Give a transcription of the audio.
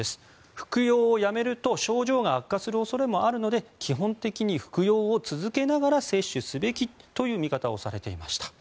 服用をやめると症状が悪化する恐れもあるので基本的に服用を続けながら接種すべきという見方をされていました。